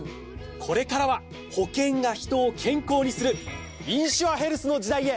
これからは保険が人を健康にするインシュアヘルスの時代へ！